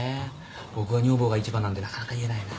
僕は女房が一番なんてなかなか言えないな。